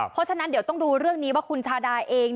เพราะฉะนั้นเดี๋ยวต้องดูเรื่องนี้ว่าคุณชาดาเอง